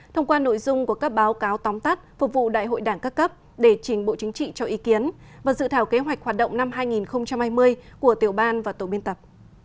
thông qua nội dung của các báo cáo tóm tắt phục vụ đại hội đảng các cấp để chính bộ chính trị cho ý kiến và dự thảo kế hoạch hoạt động năm hai nghìn hai mươi của tiểu ban và tổ biên tập